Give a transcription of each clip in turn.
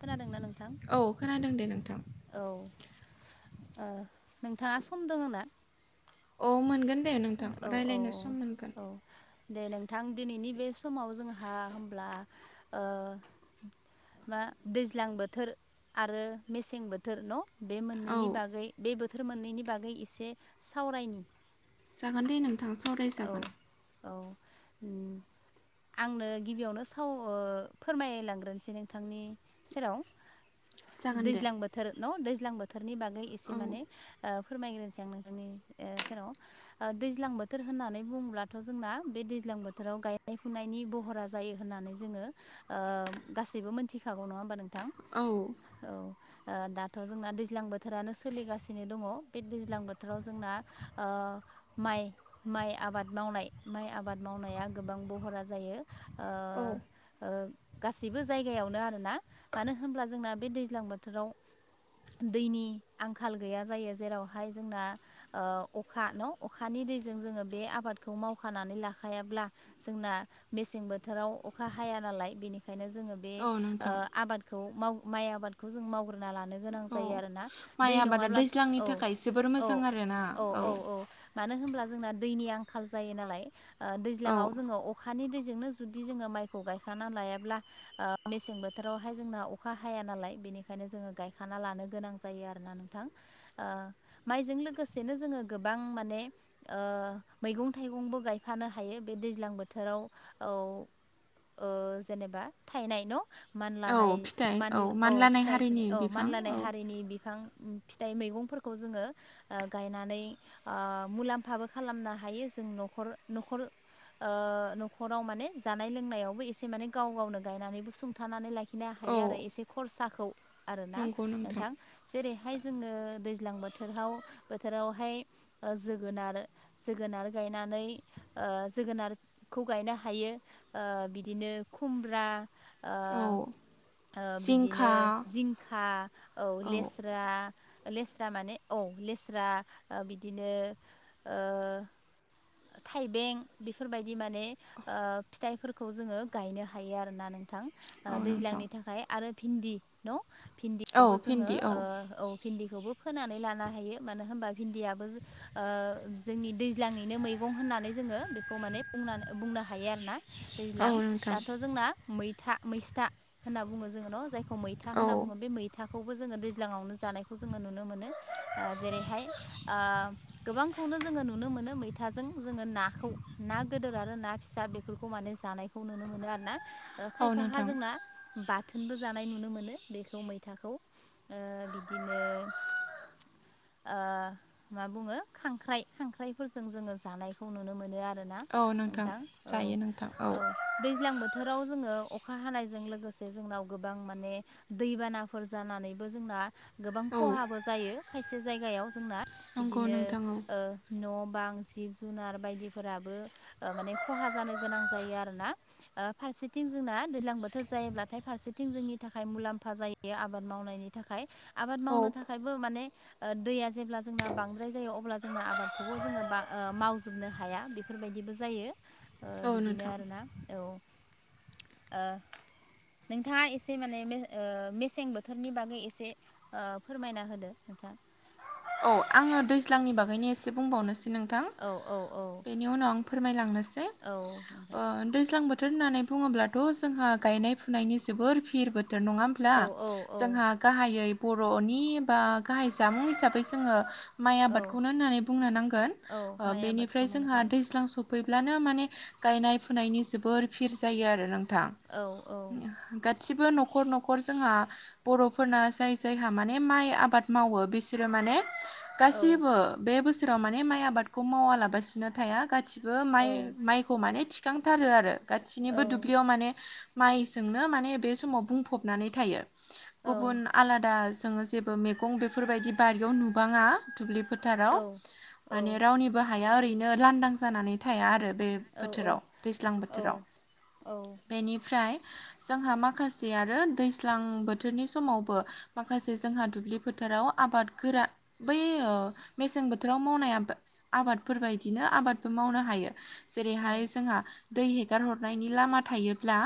खोनादोंना नोंथां? औ खोनादों दे नोंथां औ ओ नोंथाङा सम दोङो ना? अ मोनगोन दे सम नोंथां औ औ रायज्लायनो सम मोनगोन। औ दे नोंथां दिनैनि बे समाव जोंहा होमब्ला ओ। मा दैज्लां बोथोर आरो मेसें बोथोर न'। बे औ मोननैनि बागै बे बोथोर मोननैनि बागै एसे सावरायनि जागोन दे नोंथां औ सावरायजागोन औ उम। आंनो गिबियावनो साव ओ फोरमायलांग्रोनोसै नोंथांनि सेराव। जागोन दे दैज्लां बोथोर न' दैज्लां बोथोरनि बागै एसे औ माने ओ फोरमायग्रोसै आं नोंथांनि ओ सेराव ओ दैज्लां बोथ बोथोर होननानै बुङोब्लाथ' जोंना बे दैज्लां बोथोराव गायनाय फुनायनि बहरा जायो होननानै जोङो गासैबो मोनथिखागौ नङा होमबा नोंथां। औ। औ दाथ' जोंना दैज्लां बोथोरानो सोलिगासिनो दङ बे दैज्लां बोथोराव जोंना ओ माइ। माइ आबाद मावनाय माइ आबाद मावनाया गोबां बहरा जायो औ ओ। गासैबो जायगायावनो आरोना मानो होनब्ला जोंना बे दैज्लां बोथोराव दैनि आंखाल गैया जायो जेरावहाय जोंना ओ अखा न' अखानि दैजों जोङो बे आबादखौ मावखानानै लाखायाब्ला। जोंना मेसें बोथोराव अखा हाया नालाय बेनिखायनो जोङो बे औ नोंथां आबादखौ माइ आबादखौ जों मावग्रा फोना लानो गोनां औ जायो आरोना माइ दै आबादा नङाब्ला दैज्लांनि औ थाखाय जोबोर औ मोजां आरोना औ औ औ। मानो होमब्ला जोंना दैनि आंखाल जायो नालाय ओ औ दैज्लाङाव जोङो अ खानि दैजोंनो जुदि जोङो माइखौ गायखाना लायाब्ला ओ मेसें बोथोरावहाय जोंना अखा हाया नालाय बेनिखायनो जोङो गायखाना लानो गोनां जायो आर आरोना नोंथां ओह माइजों लोगोसेनो जोङो गोबां माने। मैगं थाइगंबो गायफानो हायो बे दैज्लां बोथोराव औ। ओजेनेबा थाइनाय न' औ मानलानाय फिथाइ मान औ मानलानाय फिथाइफोर हारिनि औ बिफां औ मानलानाय हारिनि बिफां फिथाइ मैगंफोरखौ जोङो ओ गायनानै ओ मुलाम्फ थाबो खालामनो हायो जों न'खर न'खर ओ न'खराव माने जानाय लोंनायावबो एसे माने गाव गावनो गायनानैबो सं थानानै लाखिनो औ हायो आरो एसे खरसाखौ आरो ना नोंथां! जेरैहाय जोङो दैज्लां बोथोराव बोथोरावहाय ओ जो गोनारो जोगोनार गायनानै ओ जोगोनारखौ गायनो हायो ओ बिदिनो खुमब्रा। ओ औ ओ जिंखा बिदिनो जिंखा औ लेस दा लेस्रा माने औ लेस्रा बिदिनो ओ थाइबें बेफोरबायदि माने फिथाइफोरखौ जोङो गायनो हायो आरोना नों थां औ नोंथां दैज्लांनि थाखाय आरो भिन्दि दं औ भिन्दिखौबो जोङो भिन्दि औ भिन्दिखौबो फोनानै लानो हायो मानो होमबा भिन्दियाबो जों ओ जोंनि दैज्लांंनिनो मै मैगं होननानै जोङो बेखौ माने बुंनानै बुंनो हायो आरो ना औ दैज्लां नोंथां दाथ' जोंना मैथा मैस्था होनना बुङो जोङो न' जायखौ मैथा औ होनना बुङो। बे मैथा खौबो जोङो दैज्लाङावनो जानायखौ जोङो नुनो मोनो ओ जेरैहाय आह। गोबांखौनो जोङो नुनो मोनो मैथाइ थाजों जोङो नाखौ ना गोदोर आरो ना फिसा बेफोरखौ माने जानायखौ नुनो मोनो आरो ना ओ औ खायफा हा नोंथां जोंना बाथोनबो जानाय नुनो मोनो बेखौ मैथाखौ। ओ बिदिनो मा बुङो खांख्राइ खांख्राइफोर जों जोङो जानायखौ नुनो मोनो आरोना औ नोंथां औ जायो नोंथां औ। दैज्लां बोथोराव जोङो अखा हानायजों लोगोसे जोंनाव गोबां माने दैबानाफोर जानानैबो जोंना गोबां औ खहाबो जायो खायसे जायगायाव जोंना नंगौ इदिनो नोंथां औ ओ न' बां जिब जुनार बायदिफोराबो ओ माने खहा जानो गोनां जायो आरो ना। ओ फारसेथिं जोंना दैज्लां बोथोर जायोब्लाथाय फारसेथिं जोंनि थाखाय मुलाम्फा जायो। बे आबाद मावनायनि थाखाय। आबाद औ मावनो थाखायबो माने दैया जेब्ला जोंना बांद्राय जायो अब्ला जोंना आबादखौबो जोङो बा मावजोबनो हाया बेफोरबायदिबो जायो ओ औ बिदिनो नोंथां आरोना औ ओ। नोंथाङा एसे माने ओ मेसें बोथोरनि बागै एसे ओ फोरमायना होदो नोंथां। औ आङो दैज्लांनि बागैनो एसे बुंबावनोसै नोंथां औ औ औ बे नि उनाव आं फोरमायलांनोसै औ नोंथां ओ दैज्लां बो थोर होननानै बुङोब्लाथ' जोंहा गायनाय फुनायनि जोबोर फिर बोथोर नङा ब्ला! औ औ औ जोंहा गाहायै बर'नि बा गाहाय जामुं हिसाबै जोङो माइ औ आबादखौनो ओननानै बुंनो नांगोन औ ओ माइ आबादखौ बेनिफ्राय मावनाय जोंहा जायो दैज्लां स फैब्लानो माने गायनाय फुनायनि जोबोर फिर जायो आरो नोंथां। औ गा सिबो न'खर न'खर जोंहा बर'फोरना जाय जायहा माने माइ आबाद मावो बि बिरो माने औ गासिबो बे बोसोराव माने माइ आबादखौ मावालाबासिनो थाया गासि बो माइ माइखौ माने थिखांथारो आरो औ गाससिनिबो दुब्लियाव माने माइजोंनो माने बे समाव बुंफबनानै थायो औ गुबुन आलादा जोङो जेबो मैगं बेफोरबायदि बारियाव नुबाङा दुब्लि औ फोथाराव औ माने रावनिबो हाया ओरैनो लांदां जानानै थाया आरो। बे औ बोथोराव दैज्लां बोथोराव। बेनिफ्राय जोंहा माखासे आरो दैज्लां बोथोरनि समावबो माखासे जोंहा दुब्लि फोथाराव आबाद गोरा बै ओ मेसें बोथोराव मावनाय आबाद। आबादफोर बायदिनो आबादबो मावनो हायो। जेरैहाय जोंहा दै हेगार हरनायनि लामा थायोब्ला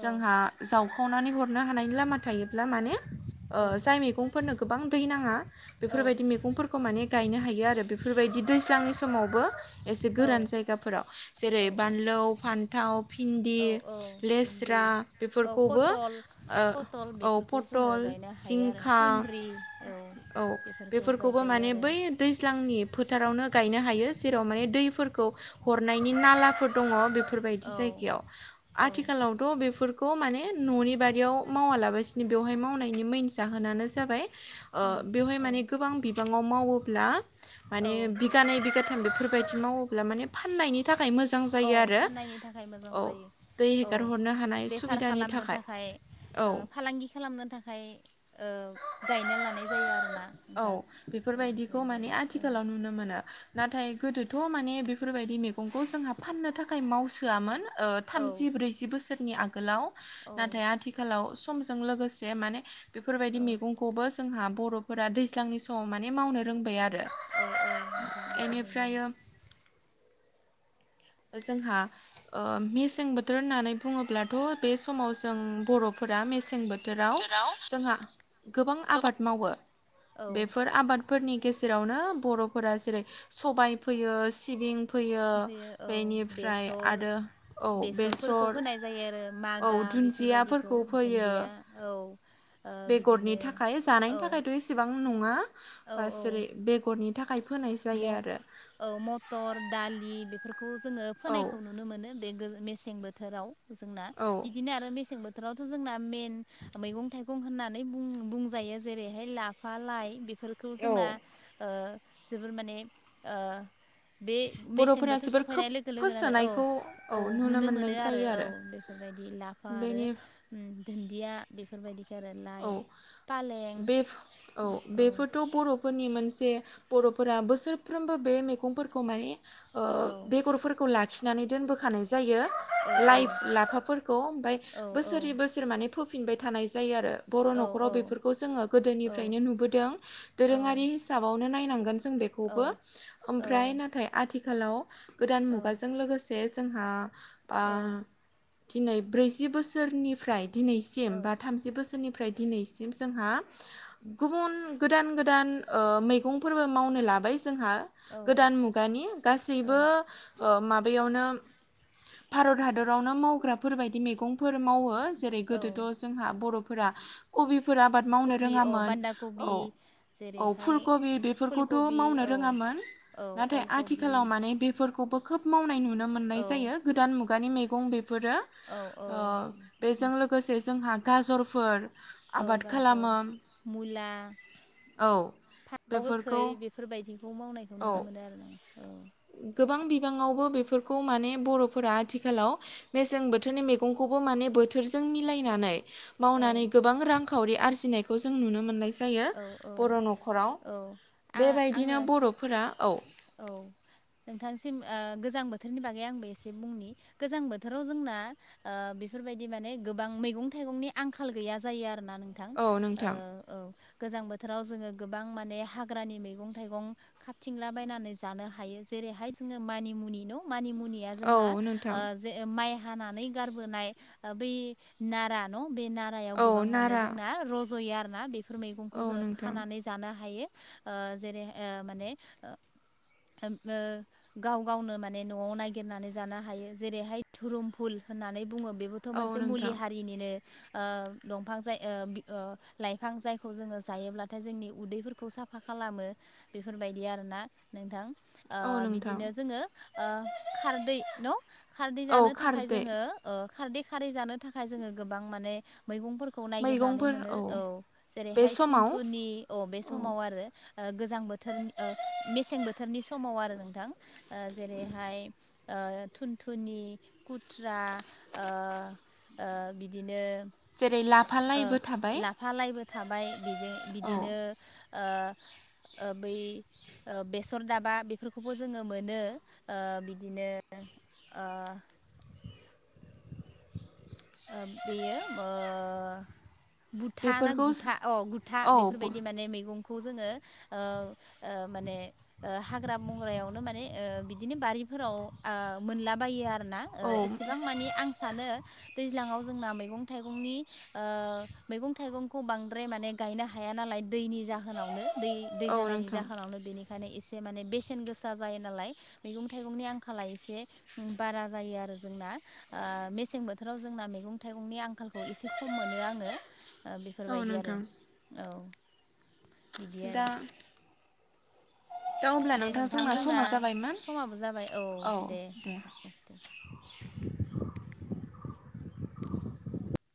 जोंहा जावखावनानै हरनो हानायनि लामा थायोब्ला माने ओ जाय मैगंफोरनो गोबां दै नाङा बेफोरबायदि मैगंफोरखौ माने गायनो हायो आरो बेफोरबायदि दैज्लांनि समावबो। एसे औ गोरान जायगाफोराव औ जेरै औ बानलौ, फान्थाव, फिन्दि, औ औ भिन्दि लेस्रा औ बेफोरखौबो पटल ओ पटल औ बेफोरखौ जोङो पतल, गायनो हायो आरो जिंखा कुन्द्रि औ बेफोरखौ बेफोरखौबो गायजायो माने आरो बै ज्लांनि फोथारावनो गायनो हायो जेराव माने दैफोरखौ हरनायनि नालाफोर दङ बेफोरबायदि औ जायगायाव। औ आथिखालावथ बेफोर खौ माने न'नि बारियाव मावालाबासिनो बेवहाय मावनायनि मैन जाहोनानो जाबाय ओ उम बेवहाय औ माने गोबां बिबाङाव मावोब्ला माने औ बिगानै बिगाथाम बेफोरबायदि मावोब्ला माने फाननायनि थाखाय मोजां औ जायो आरो फाननायनि थाखाय मोजां औ जायो दै औ हेगार हरनो हानाय बेफार सुबिदानि खालामनो थाखाय। औ ओ फालांगि खालामनो थाखाय ओ गायना लानाय जायो आरोना। औ नोंथां औ बेफोरबायदिखौ बेबायदि माने औ आथिखालाव नुनो मोनो। नाथाय गोदोथ' माने बेफोरबायदि मैगंखौ जोंहा फाननो थाखाय मावसोआममोन ओ औ थामजि ब्रैजि बोसोरनि आगोलाव। औ नाथाय आथिखालाव समजों लोगोसे माने बेफोरबायदि औ मैगंखौबो जोंहा बर'फोरा दैज्लांनि समाव माने मावनो रोंबाय आरो। औ औ नोंथां बेफोरबायदिनो। बेनिफ्रायो जोंहा ओ मेसें बोथोर होननानै बुङोब्लाथ बे समाव जों बर'फोरा मेसें बो थोराव बोथोराव जोंहा गोबां आबाद मावो। औ बेफोर आबाद फोरनि गेजेरावनो बरफोरा जेरै सबाय फैयो सिबिं फैयो। ओमफ्रायो औ बेनिफ्राय बेसर आरो औ बेसरफोरखौ बेसर फोनाय जायो आरो। औ मागा बेफोरबायदिखौ दुन्दियाफोरखौ फोयो दुन्दिया औ। ओ बिदिनो औ। बेसेबां नङा औ बा औ जेरै बेगरनि थाखाय फोनाय म जायो आरो। औ मटर, दालि बेफोरखौ जोङो औ फोनायखौ नुनो मोनो बे मेसें बोथोराव। जोंना औ बिदिनो आरो मेसें बोथोरावथ' जोंना मेइन मैगं थाइगं होननानै बुं बुंजायो जेरैहाय लाफा, लाइ बे फोरफोरखौ जोंना औ जोबोर माने ओ बे मेसें बर'फोरा बोथोर जोबोर खोब सफैनाय लोगो लोगोनो औ फोसोनायखौ औ नुनो मोनो मोननाय आरो। जायो औ बेफोरबायदि लाब आरो बेनि उम दुन्दिया बेफोरबायदिखो आरो लाइ औ फालें औ। थ' बर'फोरनि मोनसे बर'फोरा बोसोरफ्रोमबो बे मैगंफोरखौ माने ओ औ बेगरफोरखौ लाखिनानै दोनबोखानाय जायो। औ लाइ औ लाफाफोरखौ ओमफ्राय औ औ बोसोरै बोसोर माने फोफिनबाय थानाय जायो आरो। बर' औ नखराव बेफोरखौ जोङो औ गोदोनिफ्रायनो नुबोदों। दोरोङारि हिसाबावनो नायनांगोन जों औ बेखौबो। औ ओमफ्राय नाथाय आथिखालाव गोदान मुगाजों लोगोसे जोंहा बा दिनै ब्रैजि बोसोरनिफ्राय दिनैसिम औ बा थामजि बोसोर फ्राय दिनैसिम जोंहा गुबुन गोदान गोदान ओ मैगंफोरबो मावनो लाबाय जोंहा। औ गोदान मुगानि गासैबो ओ माबायावनो भारत हादरावनो मावग्राफोरबायदि मैगंफोर मावो जे रै गोदोथ' औ जोंहा बर'फोरा कबिफोर आबाद मावनो कबि अ रोङामोन। बान्दा औ कबि औ जेरैहाय फुलकबि बे बेफोरखौथ' फुलकबि मावनो औ रोङामोन औ नाथाय अलकबि आथिखालाव मान बेफोरखौबो खोब मावनाय नुनो मोननाय औ जायो गोदान मुगानि मैगं बेफोरो औ औ बेजों लोगोसे जोंहा गाजरफोर औ आबाद गाजर खालामो मुला औ फानथाव गोखै बेफोरखौ बेफोरबायदिखौ मावनायखौ औ नुनो मोनो आरो नों गोबां बिबाङावबो बेफोरखौ माने बर'फोरा आथिखालाव मेसें बोथोरनि मैगंखौबो माने बोथोरजों मिलायनानै औ मावनानै गोबां रांखावरि आरजिनायखौ जों नुनो मोनलायसै जायो औ औ बर' न'खराव औ आ आङो बेबायदिनो बर'फोरा औ औ नोंथांसिम ओ गोजां बोथोरनि बागै आंबो एसे बुंनि गोजां बोथोराव जोंना ओ बेफोरबायदि माने गोबां मैगं -थाइगंनि आंखाल गैया जायो आरोना नोंथां औ नोंथां औ गोजां बोथोराव जोङो गोबां माने हाग्रानि मैगं थाइगं खाबथिंला बायनानै जानो हायो जेरैहाय मानि मुनि न' मानि मुनिया औ जोंना नोंथां ओ माइ हानानै गारबोनाय बै नारा न' बे नार औ गोबां मान नारा जोंना र'ज'यो आरोना बेफोर मैगंखौ औ जों नोंथां खानानै जानो हायो जेरै माने नोंखो गाव गावनो माने नआव नायगिरनानै जानो हायो जेरैहाय धोरोमफुल होननानै बुङो बेबो थ औ मोनसे मुलि नोंथां हारिनिनो ओ दंफां जाय ओ लाइफां जायखौ जोङो जायोब्लाथाय जोंनि उदैफोर खौ साफा खालामो बेफोरबायदि आरोना नोंथां ओ औ नोंथां बिदिनो जोङो ओ खारदै न खारदै औ जानो थाखाय खारदै जोङो खारदै खारै जानो थाखाय जोङो गोबां माने मैगंफोरखौ खौ नायगिरनानै मोनो औ बे जेरैहाय समाव थुनथुनि औ बे समाव आरो ओ गोजां बोथोर ओ मेसें बोथोरनि समाव आरो नोंथां जेरैहाय ओ थुनथुनि खुथ्रा ओ ओ बिदिनो जेरै लाफा ओ लाइबो थाबाय लाफा लायबो थाबाय बेजो औ बिदिनो ओ ओ बै बेसर दाबा बेफोरखौबो जोङो मोनो ओ बिदिनो ओ ओ बेयो ओ गुथा ना बेफोरखौ गुथा अ गुथा औ बेफोरबायदि माने मैगं खौ जोङो ओ -ओ माने हाग्रा बंग्रायावनो माने बिदिनो बारिफोराव मोनलाबायो आर ना ओ औ एसेबां मानि आं सानो दैज्लाङाव जोंना मैगं थाइगंनि ओ मैगं थाइगंखौ बांद्राय माने गायनो हायानालाय दैनि जाहो जाहोनावनो दै -दै औ जानायनि नोंथां जाहोनावनो बेनिख ओंखायनो एसे माने बेसेन गोसा जायो नालाय मैगं थाइगंनि आंखाला एसे बारा जायो आरो जोंना मेसें बोथोर बोथोराव जोंना मैगं थाइगंनि आंखालखौ एसे खम मोनो आङो औ बेफोरबायदि आरो नोंथां औ बिदि दा आरो दा अब्ला दे नोंथां जोंना समा जाबायमोन समाबो जाबाय औ दे नोंथां लाखिथ'